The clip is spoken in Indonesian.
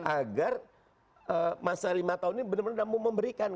agar masa lima tahun ini benar benar mau memberikan